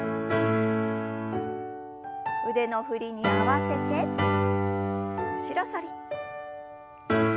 腕の振りに合わせて後ろ反り。